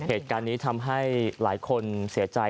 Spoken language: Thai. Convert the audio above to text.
เหตุการณ์นี้ทำให้หลายคนเสียใจ